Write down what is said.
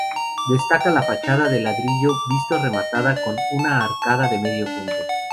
Destaca la fachada de ladrillo visto rematada con una arcada de medio punto.